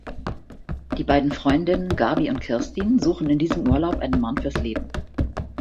Die beiden Freundinnen Gabi und Kirstin suchen in diesem Urlaub einen Mann fürs Leben.